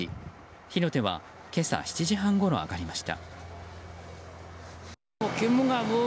火の手は今朝７時半ごろ上がりました。